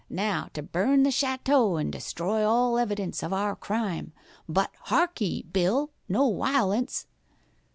Now to burn the château and destroy all evidence of our crime. But, hark'e, Bill, no wiolence."